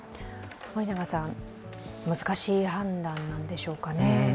森永さん、難しい判断なんでしょうかね。